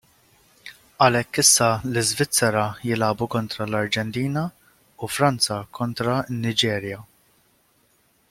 Għalhekk issa l-Iżvizerra jilagħbu kontra l-Arġentina u Franza kontra n-Niġerja.